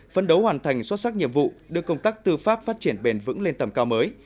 phân đấu hoàn thành xuất sắc nhiệm vụ đưa công tác tư pháp phát triển bền vững lên tầm cao mới